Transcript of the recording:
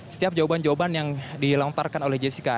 setiap jawaban jawaban yang dilontarkan oleh jessica